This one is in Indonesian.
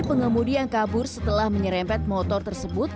pengemudi yang kabur setelah menyerempet motor tersebut